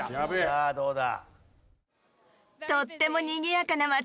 さあどうだ？